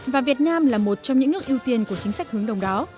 và việt nam là một trong những nước ưu tiên của chính sách hướng đồng đó